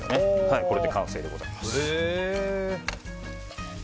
これで完成でございます。